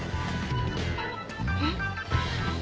えっ？